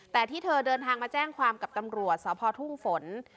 แต่ที่เธอเดินทางมาแจ้งความกับตำรวจสพทุ่งฝน